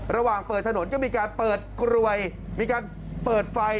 ระหว่างเปิดถนนก็มีการเปิดกลวยมีการเปิดไฟ